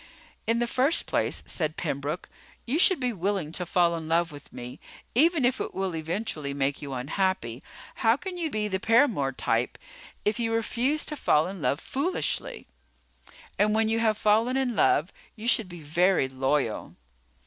"In the first place," said Pembroke, "you should be willing to fall in love with me even if it will eventually make you unhappy. How can you be the paramour type if you refuse to fall in love foolishly? And when you have fallen in love, you should be very loyal."